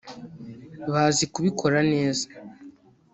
bazi kubikora neza